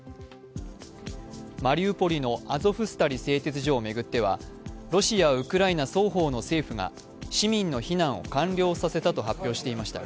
マリウポリのアゾフスタリ製鉄所を巡ってはロシア、ウクライナ双方の政府が市民の避難を完了させたと発表していました。